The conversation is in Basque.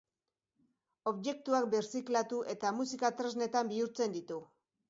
Objektuak birziklatu eta musika tresnetan bihurtzen ditu.